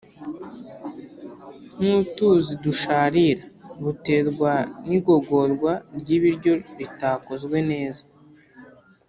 nk’utuzi dusharira; buterwa n’igogorwa ry’ibiryo ritakozwe neza